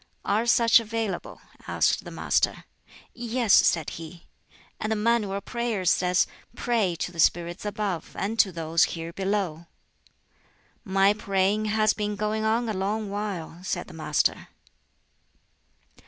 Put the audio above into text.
"Are such available?" asked the Master. "Yes," said he; "and the Manual of Prayers says, 'Pray to the spirits above and to those here below,'" "My praying has been going on a long while," said the Master.